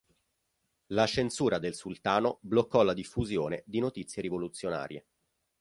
La censura del sultano bloccò la diffusione di notizie rivoluzionarie.